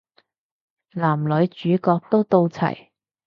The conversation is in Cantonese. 男女主角都到齊